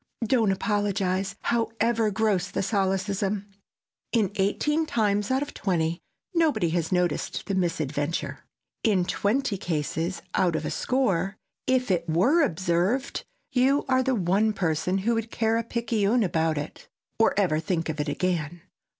Don't apologize, however gross the solecism! In eighteen times out of twenty, nobody has noticed the misadventure. In twenty cases out of a score, if it were observed you are the one person who would care a picayune about it, or ever think of it again.